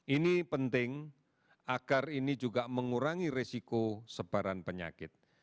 ini penting agar ini juga mengurangi resiko sebaran penyakit